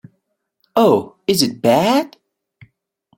Oh, is it bad?